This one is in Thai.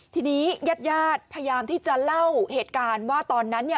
ทีนี้ยาดพยายามที่จะเล่าเหตุการณ์ว่าตอนนั้น